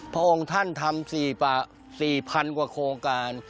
พระองค์ท่านทำ๔๐๐๐กว่าโครงการ